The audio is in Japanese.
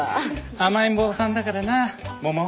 甘えん坊さんだからなモモ。